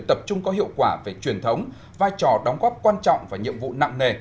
tập trung có hiệu quả về truyền thống vai trò đóng góp quan trọng và nhiệm vụ nặng nề